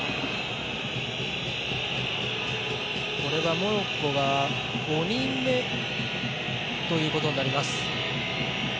モロッコは５人目ということになります。